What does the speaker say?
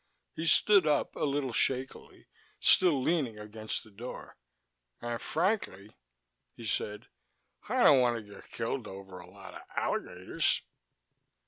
He stood up, a little shakily, still leaning against the door. "And frankly," he said, "I don't want to get killed over a lot of alligators."